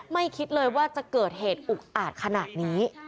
คิดเลยว่าจะเกิดเหตุอุกอาจขนาดนี้